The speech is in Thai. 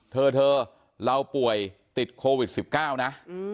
เธอเราป่วยติดโควิด๑๙นะ